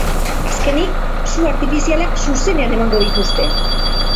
Azkenik, su artifizialak zuzenean emango dituzte.